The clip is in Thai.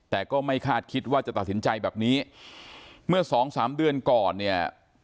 แต่ก็ไม่คาดคิดว่าจะตัดสินใจแบบนี้เมื่อสองสามเดือนก่อนเนี่ย